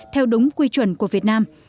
theo đúng quy chuẩn của việt nam